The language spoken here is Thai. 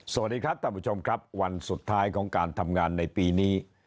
สวัสดีครับท่านผู้ชมครับวันสุดท้ายของการทำงานในปีนี้